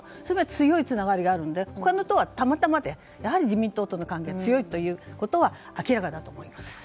強いつながりがあるので他の党はたまたまでやはり自民党との関係が強いということは明らかだと思います。